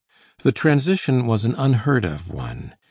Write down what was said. The transition was an unheard of one.